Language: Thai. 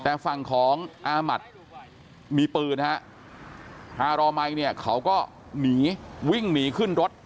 แต่ฝั่งของอามัติมีปืนฮะอารอมัยเนี่ยเขาก็หนีวิ่งหนีขึ้นรถ